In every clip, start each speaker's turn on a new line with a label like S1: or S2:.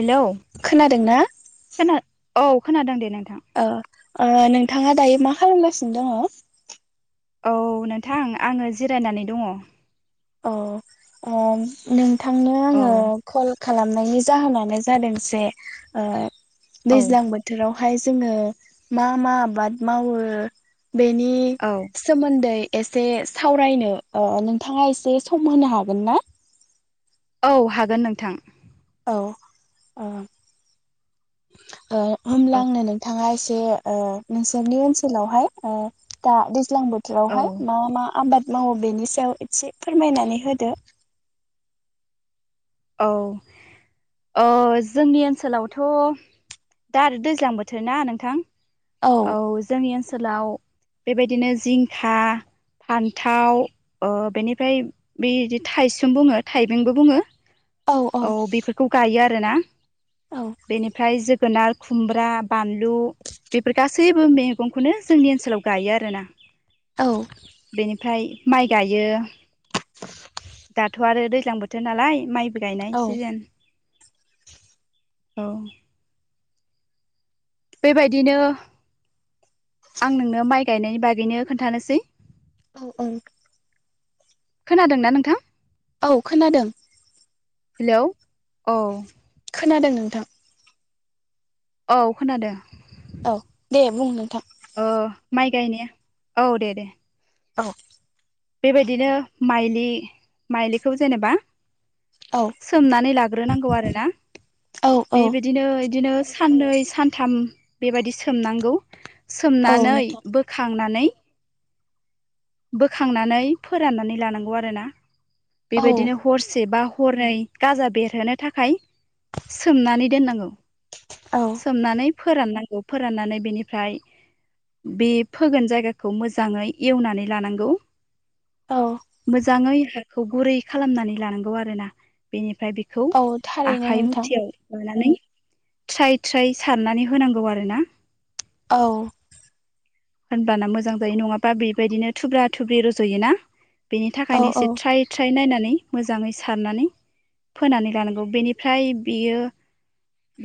S1: Hello
S2: खोनादोंना
S1: औ खोनादों औ दे नों
S2: औ नोंथांङा दायो मा खालामगासिनो दंङो
S1: औ नोंथां आंङो जिरायनानै दंङो
S2: अ अ नोंथांनो आंङो कल खालामनायनि जाहोनानो जादों जे
S1: औ
S2: दैज्लां बोथोराव बेहाय जोंङो मा मा आबाद मावो बेनि
S1: औ
S2: सोमोन्दै एसे सावरायनो नोंथांङा एसे सम होनो हागोन ना
S1: औ हागोन नोंथां
S2: होनब्ला
S1: औ
S2: आंनो नोंथांङा एसे बे नोंसोरनि ओनसोलावहाय दा दैज्लां
S1: औ
S2: बोथोरावहाय मा मा आबाद मावो बेनि सायाव एसे फोरमायनानै होदो
S1: औ जोंनि ओनसोलावथ' दा आरो दैज्लां बोथोर ना नोंथां औ जोंनि ओनसोलाव बेबायदिनो जिंखा फान्थाव बेनिफ्राय बेदि थाइस बुंङो थाइबेंबो बुंङो औ बेफोरखौ गायो आरोना
S2: औ
S1: बेनिफ्राय जोगोनार खुमब्रा बानलु बेफोर गासैबो मैगंखौनो जोंनि ओनसोलाव गायो आरोना
S2: औ
S1: बेनिफ्राय माइ गायो । दाथ' आरो दैज्लां बोथोर नालाय माइबो
S2: औ
S1: गायनाय सिजोन औ बेबायदिनो आं नोंनो माइ गायनायनि बागैनो खोन्थानोसै
S2: औ औ
S1: खोनादोंना नोंथां?
S2: औ खोनादों
S1: हेलौ औ
S2: खोनादों नोंथां
S1: औ खोनादों
S2: औ दे बुं नोंथां
S1: औ माइ गायनाय औ दे दे
S2: औ
S1: बेबायदिनो माइलि माइलिखौ जेनेबा
S2: औ
S1: सोमनानै लाग्रोनांगौ आरोना
S2: औ औ
S1: बेबायदिनो बिदिनो साननै सानथाम बेबायाददि सोमनांगौ
S2: औ
S1: सोमनानै
S2: नोंथां
S1: बोखांनानै बोखांनानै फोराननानै लानांगौ आरोना
S2: औ
S1: बेबायदिनो हरसे बा हरनै गाजा बेरहोनो थाखाय सोमनानै दोननांगौ
S2: औ
S1: सोमनानै फोराननांगौ फोराननानै बिनिफ्राय बे फोगोन जायगाखौ मोजाङै एवनानै लानांगौ
S2: औ
S1: मोजाङै हाखौ गुरै खालामनानै लानांगौ आरोना बेनिफ्राय ओमफ्राय बेखौ
S2: औ थारैनो
S1: आखाइ
S2: नोंथां
S1: मुथियाव माबानानै थ्राय थ्राय सारनानै होनांगौ आरोना
S2: औ
S1: होनबाना मोजां जायो नङाबा बेबायदिनो थुब्रा थुब्रि रज'यो ना बेनि
S2: औ
S1: थाखायनो
S2: औ
S1: एसे ट्राय ट्राय नायनानै मोजाङै सारनानै फोनानै लानांगौ बेनिफ्राय बियो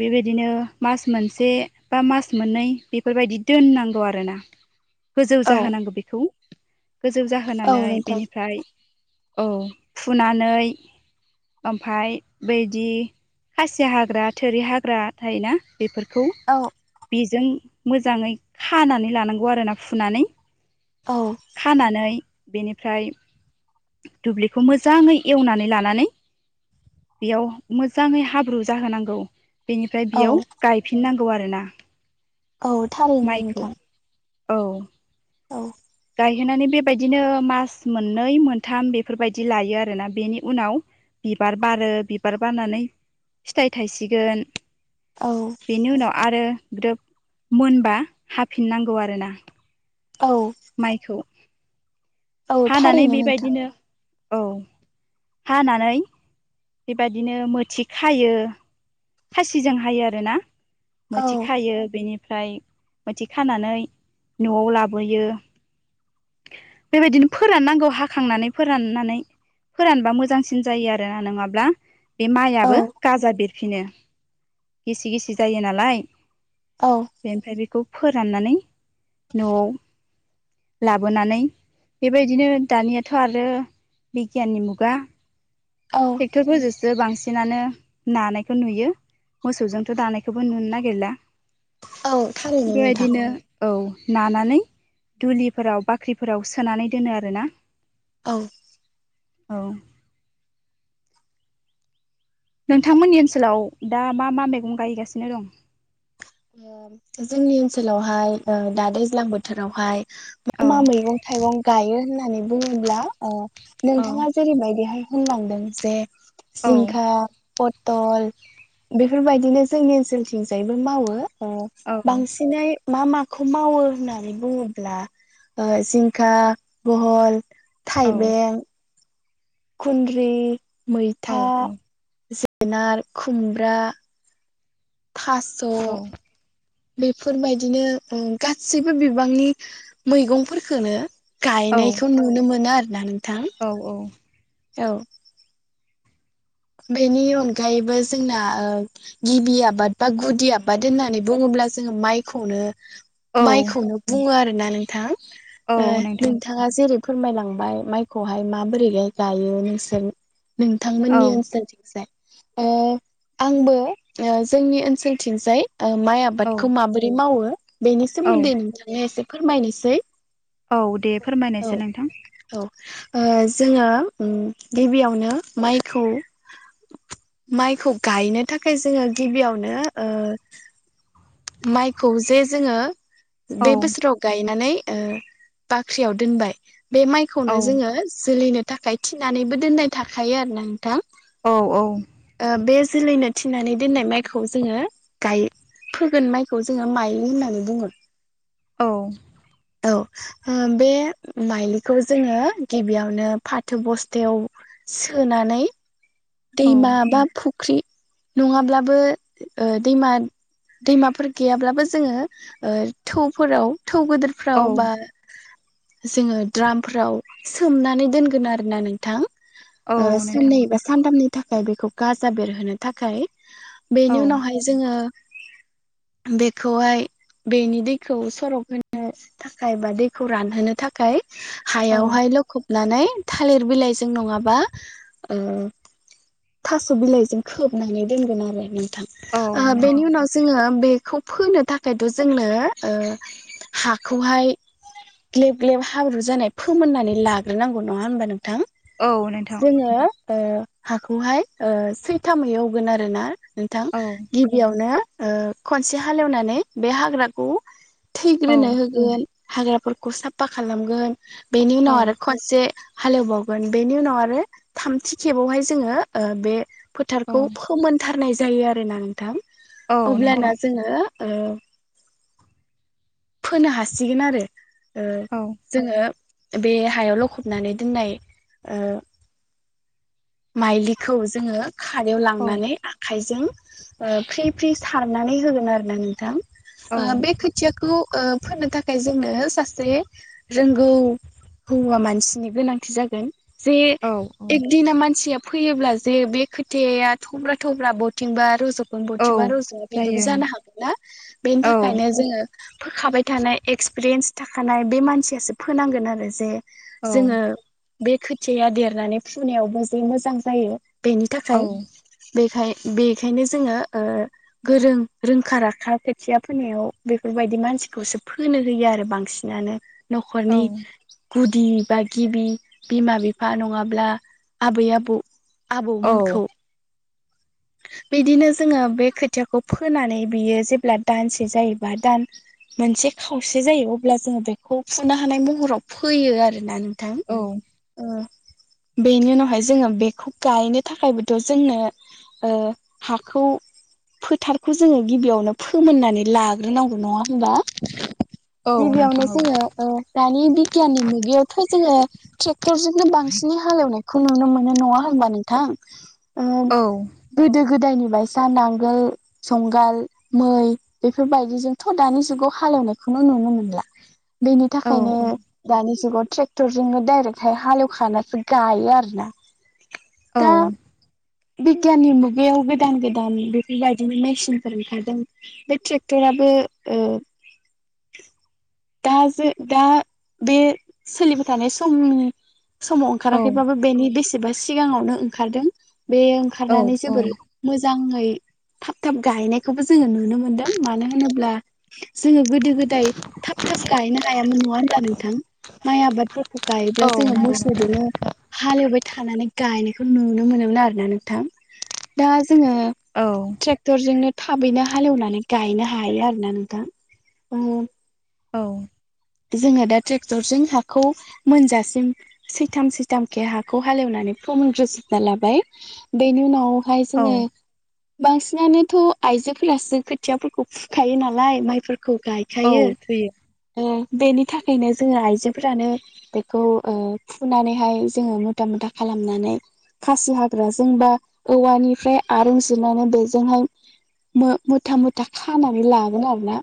S1: बेबायदिनो मास मोनसे बा मास मोननै बेफोरबायदि दोननांगौ आरोना गोजौ
S2: औ
S1: जाहोनांगौ बेखौ गोजौ
S2: औ
S1: जाहोनानै
S2: नोंथां
S1: बेनिफ्राय औ फुनानै। ओमफाय बैदि खासिया हाग्रा, थोरि हाग्रा थायोना। बेफोरखौ
S2: औ
S1: बेजों मोजाङै खानानै लानांगौ आरोना फुनानै।
S2: औ
S1: खानानै बेनिफ्राय दुब्लिखौ मोजाङै एवनानै लानानै बेयाव मोजाङै हाब्रु जाहोनांगौ। बेनिफ्राय
S2: औ
S1: बेयाव गायफिननांगौ आरोना।
S2: औ थारैनो
S1: माइखौ
S2: नोंथां।
S1: औ।
S2: औ।
S1: गायहोनानै बेबायदिनो मास मोननै मोनथाम बेफोरबायदि लायो आरोना बेनि उनाव। बिबार बारो बिबार बारनानै फिथाइ थायसिगोन
S2: औ
S1: बेनि उनाव आरो। ग्रोब मोनबा हाफिननांगौ आरोना।
S2: औ
S1: माइखौ
S2: औ
S1: हानानै
S2: थारैनो नोंथां
S1: बेबायदिनो। औ हानानै बेबदिनो मोथि खायो। खासिजों हायो आरोना
S2: औ
S1: मोथि खायो बेनिफ्राय। फ्राय मोसे खानानै न'आव लाबोयो। बेबायदिनो फोराननांगौ हाखांनानै फोराननानै। फोरानबा मोजांसिन जायो आरो ना नङाब्ला। बे
S2: औ
S1: माइयाबो गाजा बेरफिनो गिसि गिसि जायो नालाय। बेनिफ्राय बेखौ फोराननानै न'आव लाबोनानै बेबायदिनो दानियाथ' आरो। बिगियाननि मुगा। ट्रेक्ट'रफोरजोंसो बांसिन। बिदिनानो नानायखौ नुयो मोसौजोंथ' दानायखौबो नुनो नागिरला।
S2: औ औ थारैनो नोंथां
S1: बेबायदिनो औ। नानानै दुलिफोराव बाख्रिफोराव सोनानै दोनो आरोना।
S2: औ।
S1: औ। नोंथांमोननि ओनसोलाव दा मा मा मैगं गायगासिनो दं।
S2: जोंनि ओनसोलावहाय दा दैज्लां बोथोरावहाय मा
S1: औ
S2: मा मैगं थाइगं गायो होननानै बुङोब्ला।
S1: औ
S2: नोंथाङा जेरैबायदिहाय होनलांदों जे
S1: औ
S2: जिंखा प टल बेफोरबायदिनो जोंनि ओनसोलथिंजायबो मावो। अ
S1: औ
S2: बांसिनै मा माखौ मावो होननानै बुङोब्ला जिंखा, बहल।
S1: औ
S2: थाइबें खुन्द्रि
S1: औ
S2: मैथा जोगोनार खुमब्रा थास' बेफोरबायदिनो गासैबो बिबांनि मैगंफोरफोरखोनो। गायनायखौ नुनो मोनो आरो ना।
S1: औ औ।
S2: औ। बेनि अनगायैबो जोंना गिबि आबाद बा गुदि आबाद होननानै बुङोब्ला। ब्ला जोङो माइखौनो।
S1: औ
S2: माइखौनो बुङो आरोना नोंथां
S1: औ नोंथां
S2: नोंथाङा जेरै फोरमायलांबाय माइखौहाय माबोरैहाय गायो नोंसोर नोंथांमोननि
S1: औ
S2: ओन आंबो जोंनि ओनसोलथिंजाय माइ
S1: औ
S2: आबादखौ माबोरै मावो बेनि
S1: औ
S2: सोमोन्दै नोंथांनो एसे फोरमायनोसै।
S1: औ दे
S2: औ
S1: फोरमायनायसै नोंथां
S2: औ जोङो गिबियावनो माइखौ माइखौ गायनो थाखाय जोङो गिबियावनो माइखौ जे जोङो
S1: औ
S2: बे बोसोराव गायनानै बाख्रियाव दोनबाय बे
S1: औ
S2: माइखौनो जोङो जोलैनो थाखाय थिनानैबो दोननाय थाखायो आरोना नोंथां
S1: औ औ
S2: ओ बे जोलैनो थिननानै दोननाय माइखौ जोङो गायो फोगोन माइखौ जोङो माइलि होननानै बुङो
S1: औ
S2: औ बे माइलिखौ जोङो गिबियावनो फाथो बस्तायाव सोनानै
S1: औ
S2: दैमा बा फुख्रि नङाब्लाबो दैमा दैमाफोर गैयाब्लाबो जोङो थौफोराव थौ
S1: औ
S2: गोदोरफ्राव बा जोङो द्रामफ्राव सोमनानै दोनगोन आरोना नोंथां
S1: औ नोंथां
S2: साननै बा सानथामनि थाखाय बेखौ गाजा बेरहोनो थाखाय
S1: औ
S2: बेनि उनावहाय जोङो बेखौहाय बेनि दैखौ सरक होनो थाखाय बा दैखौ रानहोनो थाखाय
S1: औ
S2: हायाव हाय लखब नानै थालिर बिलाइजों नङाबा थास' बिलाइजों खोबनानै दोनगोन आरो
S1: औ
S2: नोंथां
S1: नोंथां
S2: बेनि उनाव जोङो बेखौ फोनो थाखायथ' जोंनो हाखौहाय ग्लेब ग्लेब हाब्रु जानाय फोमोननानै लाग्रोनांगौ नङा होमबा नोंथां
S1: औ नोंथां
S2: जोङो ओ हाखौहाय सैथामै एवगोन आरो ना नोंथां
S1: औ
S2: गिबियावनो ओ खनसे हालेवनानै बे हाग्राखौ
S1: औ
S2: थैग्रोनो होगोन। हाग्राफोरखौ साफा खालामगोन बेनि
S1: औ
S2: उनाव आरो खनसे हालेवबावगोन बेनि उनाव आरो थामथि खेबावहाय जोङो बे फोथारखौ
S1: औ
S2: फोमोनथारनाय जायो आरोना नोंथां
S1: औ नोंथां
S2: अब्लाना जोङो ओ फोनो हासिगोन आरो ओ
S1: औ
S2: जोङो बे हायाव लखबनानै दोननाय ओ माइलिखौ जोङो खारायाव
S1: औ
S2: लांनानै आखाइजों फ्रि फ्रि सारनानै होगोन आरो ना नोंथां
S1: औ
S2: आ बे खोथियाखौ ओ फोननो थाखाय जोंनो सासे रोंगौ हौवा मानसिनि गोनांथि जागोन जे
S1: औ
S2: एकदिना मानसिया फैयोब्ला जे बे खोथाया थब्रा थब्रा बावथिंबा रज
S1: औ
S2: बथिबा रावजों बिदिबो
S1: जायो
S2: जानो हागोन ना बेनि
S1: औ
S2: थाखायनो जोङो फोखाबाय थानाय एक्सपिरियेन्स थाखानाय बे मानसियासो फोनांगोन आरो जे
S1: औ
S2: जोङो बे खोथियया देरनानै फुनायावबो जे मोजां जायो। बेनि
S1: औ
S2: थाखाय बेखाय बेखायनो जोङो ओ गोरों रोंखा राखा खोथिया फोनायाव बेफोरबाय दि मानसिखौसो फोनो होयो आरो बांसिनानो
S1: औ
S2: न'खरनि गुदि बा गिबि बिमा बिफा नङाब्ला आबै आबौ आबौमोनखौ बिदिनो जोङो बे खोथियाखौ फोनानै बियो जेब्ला दानसे जायोबा दान मोनसे खावसे जायो अब्ला जोङो बेखौ फुनो हानाय महराव फैयो आरोना नों थां
S1: औ
S2: ओ बेनि उनावहाय जोङो बेखौ गायनो थाखायबोथ' जोंनो ओ हाखौ फोथारखौ जोङो गिबियावनो फोमोननानै लाग्रोनांगौ नङा होमबा
S1: औ
S2: गिबियावनो
S1: नोंथां
S2: जोङो दानि बिगियाननि मुगायावथ' जोङो ट्रेक्टरजोंनो बांसि ननि हालवनायखौ नुबा नोंथां
S1: औ औ
S2: गोदो गोदायनि बायसा नांगोल संगाल मै बेफोरबायदि जोंथ' दानि जुगाव हालेवनायखौनो नुनो मोनला बेनि
S1: औ
S2: थाखायनो दानि जुगाव ट्रेक्टरजोंनो डाइरेक्टहाय हालवखानसो गायो आरो ना
S1: औ
S2: बिगियाननि मुगायाव गोदान गोदान बेफोरबायदिनो मेसिनफोर ओंखारदों बे ट्रेक्टराबो औ दा जों दा बे सोलिबाय थानाय सम समाव
S1: औ
S2: ओंखाराखैबाबो बेनि बेसेबा सिगाङावनो ओंखारदों बे ओंखारनानै
S1: औ
S2: जोबोर मोजां ङै थाब थाब गायनायखौबो जोङो नुनो मोनदों मानो होनोब्ला जोङो गोदो गोदाय थाब थाब गायनो हायामोन नङा होनब्ला नोंथां माइ आबादफोरखौबो
S1: औ
S2: गायोब्ला जोङो
S1: नंगौ
S2: मोसौजोंनो हालेवबाय थानानै गायनायखौ नुनो मोनोमोन आरोना नोंथां दा जोङो
S1: औ
S2: ट्रेक्टरजोंनो थाबैनो हालेवनानै गायनो हायो आरो ना नों थां बा
S1: औ
S2: जोङो दा ट्रेक्टरजों हाखौ मोनजासिम सैथाम सैथामखे हाखौ हालेवनानै फोमोनग्रोजोबनानै लाबाय बेनि उनाव हाय
S1: औ
S2: जोङो बांसिनानोथ' आइजोफोरासो खोथियाफोरखौ फुखायो ना लाय माइफोरखौ
S1: औ
S2: गायखायो
S1: फैयो
S2: बेनि थाखायनो जोङो आइजोफोरानो बेखौ फुनानैहाय जोङो मुथा मुथा खालाम खालामनानै खासि हाग्राजों बा औवानिफ्राय इरुं जिनानै बेजोंहाय मुथा मुथा खानानै लागोन आरोना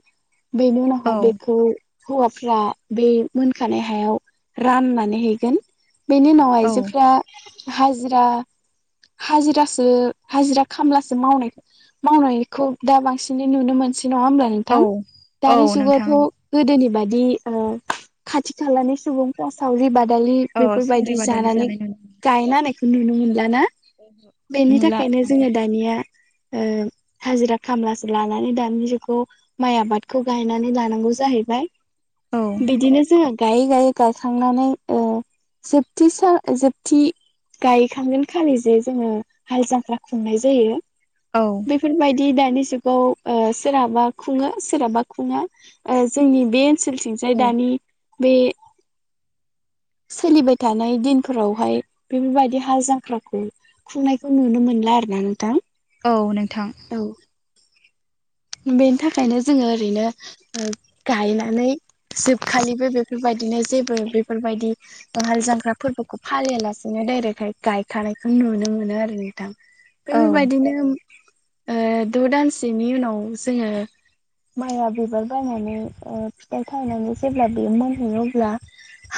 S2: बेनि
S1: औ
S2: उनावहााय बेखौ हौवाफ्रा बे मोनखानाय हायाव राननानै हैगोन बेनि उनाव
S1: औ
S2: आइजोफोरा हाजिरा हाजिरासो हाजिरा खामलासो मावनाय मावनायखौ दा बांसिनै नुनो मोनसै नङा हब्ला
S1: औ
S2: नोंथां
S1: औ
S2: दानि जुगावथ'
S1: नोंथां
S2: गोदोनि बाय खाथि खालानि सुबुंफोरा सावरि बादालि बादालि
S1: औ सावरि
S2: बेफोरबायदि
S1: बादालि
S2: जानानै
S1: जानाय नुनो
S2: गायना होनानायखौ नुनो मोनला ना
S1: मोनो
S2: बेनि
S1: नुला
S2: थाखायनो
S1: नोंथां
S2: जोङो दानिया हाजिरा खामलासो लानानै दानि जुग खौ माइ आबादखौ गायनानै लानांगौ जाहैबाय
S1: औ
S2: बिदिनो जोङो गायै गायै गाखांनानै जोबथि जोबथि गायखांगोन खालि जे जोङो हाल जांफ्रा खुंनाय जायो
S1: औ
S2: बेफोरबायदि दानि जुगाव सोरहाबा खुङो सोरहाबा खुङा जोंनि बे ओनसोलथिंजाय
S1: औ
S2: दानि बे सोलिबाय थानाय दिनफोरावहाय बेफोरबायदि हाल जांख्राखौ खुंनायखौ नुनो मोनला आरो ना नोंथां
S1: औ नोंथां
S2: औ बेनि थाखायनो जोङो ओरैनो गायनानै जोबखालिबो बेफोरबायदिनो जेबो बेफोरबायदि हाल जांख्रा फोरबोखौ फालियालासेनो डायरेक्टहाय गायखानायखौ नुनो मोनो आरो नोंथां
S1: औ
S2: बेफोरबायदिनो द' दानसेनि उनाव जोङो माइआ बिबार बायनानै फिथाइ थायनानै जेब्ला बे मोनहैयो अब्ला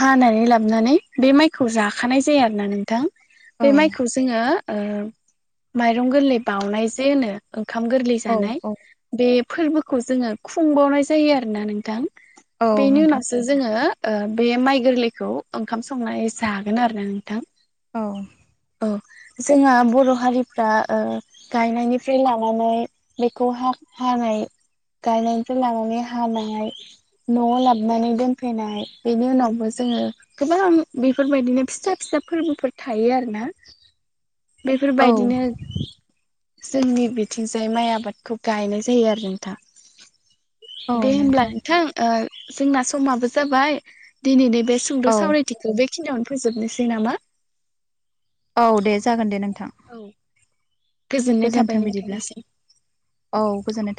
S2: हानानै लाबोनानै बे माइखौ जाखानाय जाया आरो ना नोंथां
S1: औ
S2: बे माइखौ जोङो माइरं गोरलै बाउनाय जे होनो ओंखाम गोरलै
S1: औ
S2: जानाय
S1: औ
S2: बे फोरबोखौ जोङो खुंबावनाय जायो आरोना नोंथां
S1: औ
S2: बेनि
S1: नोंथां
S2: उनावसो जोङो बे माइ गोरलैखौ ओंखाम संनानै जागोन आरो ना नोंथां
S1: औ
S2: औ जोंहा बर' हारिफ्रा गायनायनिफ्राय लानानै बेखौहाय हानाय गायनायनिफ्राय लानानै हानाय न'आव लाबानै दोनफैनाय बेनि उनावबो जों गोबां बेफोरबायदिनो फिसा फिसा फोरबोफोर थायो आरोना
S1: औ
S2: बेफोरबायदिनो जोंनि बिथिंजाय माइ आबादखौ गायनाय जायो आरो नोंथां दे हब्ला नोंथां जोंना समाबो जाबाय दिनैनि बे सुंद'
S1: औ
S2: सावरायथिखौ बे थिनियावनो फैजोबनोसै नामा
S1: औ दे जागोन दे नों
S2: औ
S1: गोजोनथों बिदिब्ला औ गोजोननाय थों